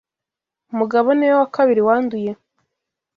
Mugabo niwe wa kabiri wanduye.